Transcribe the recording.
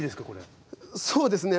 そうですね